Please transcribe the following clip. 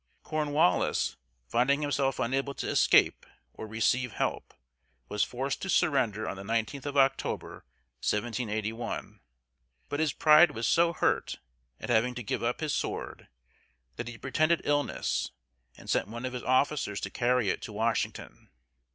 Cornwallis, finding himself unable to escape or receive help, was forced to surrender on the 19th of October, 1781. But his pride was so hurt at having to give up his sword, that he pretended illness, and sent one of his officers to carry it to Washington.